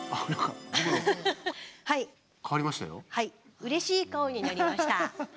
うれしい顔になりました。